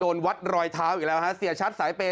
วัดรอยเท้าอีกแล้วฮะเสียชัดสายเปย